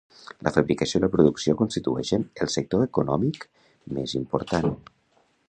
La fabricació i la producció constitueixen el sector econòmic més important.